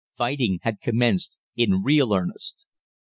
Fighting had commenced in real earnest.